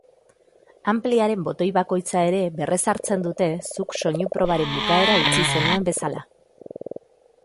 Anpliaren botoi bakoitza ere berrezartzen dute zuk soinu probaren bukaera utzi zenuen bezala.